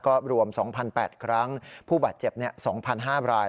ก็รวม๒๘ครั้งผู้บาดเจ็บ๒๕ราย